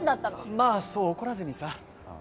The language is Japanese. まあそう怒らずにさぁ。